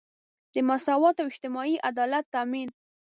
د مساوات او اجتماعي عدالت تامین.